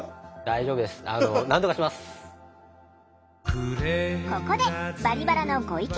今もうここで「バリバラ」のご意見